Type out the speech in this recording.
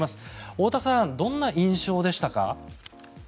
太田さん、どんな印象でしたか。